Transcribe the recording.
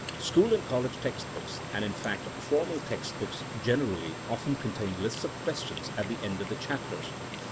School and college text books, and in fact formal text books generally, often contain lists of questions at the end of the chapters.